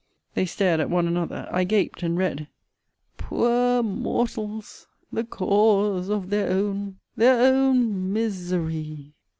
They stared at one another. I gaped, and read, Poor mo or tals the cau o ause of their own their own mi ser ry.